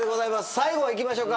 最後いきましょうか。